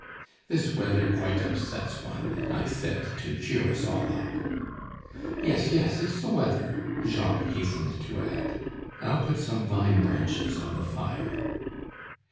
"This weather quite upsets one," I said to cheer us all up. "Yes, yes, it's the weather," Jacques hastened to add. "I'll put some vine branches on the fire."